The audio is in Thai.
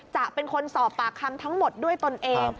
จะเป็นคนสอบปากคำทั้งหมดด้วยตนเอง